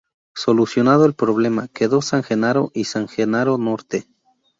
Solucionado el problema quedó San Genaro y San Jenaro Norte.